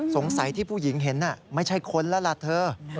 สงสัยที่ผู้หญิงเห็นไม่ใช่คนแล้วล่ะเธอ